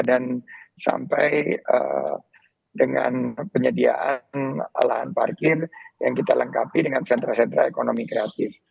dan sampai dengan penyediaan alahan parkir yang kita lengkapi dengan sentra sentra ekonomi kreatif